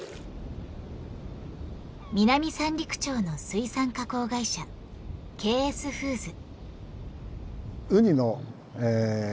南三陸町の水産加工会社ケーエスフーズ。